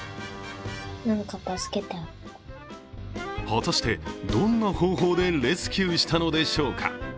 果たしてどんな方法でレスキューしたのでしょうか。